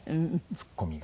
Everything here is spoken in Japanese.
ツッコミが。